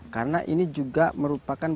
karena ini juga merupakan